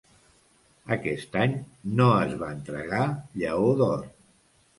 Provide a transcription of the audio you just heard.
Aquest any no es va entregar Lleó d'Or.